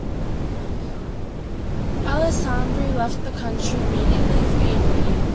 Alessandri left the country immediately for Italy.